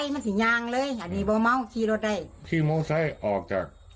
มันสิงหยางเลยอันนี้บอกเมาว์ที่เราได้ที่เมาว์ใช้ออกจาก